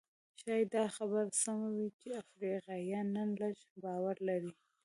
ښايي دا خبره سمه وي چې افریقایان نن لږ باور لري.